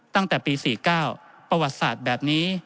ตั้งแต่ปี๔๙ประวัติศาสตร์แบบนี้